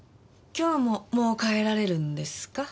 今日ももう帰られるんですか？